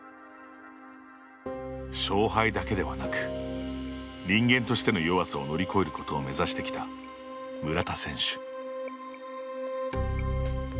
勝敗だけではなく人間としての弱さを乗り越えることを目指してきた村田選手。